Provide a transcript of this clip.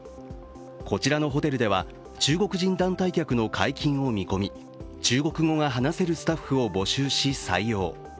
こちらのホテルでは中国人団体客の解禁を見込み中国語が話せるスタッフを募集し、採用。